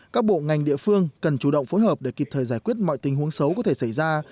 các bộ ngành địa phương cần chủ động phối hợp để kịp thời giải quyết mọi tình huống xấu có thể xảy ra